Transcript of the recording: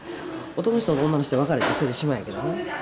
男の人と女の人が別れたらそれでしまいやけどな。